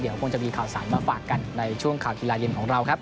เดี๋ยวคงจะมีข่าวสารมาฝากกันในช่วงข่าวกีฬาเย็นของเราครับ